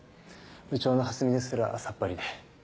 部長の蓮見ですらさっぱりで。